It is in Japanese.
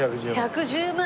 １１０万